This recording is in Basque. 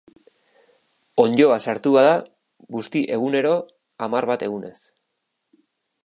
Onddoa sartu bada, busti egunero, hamar bat egunez.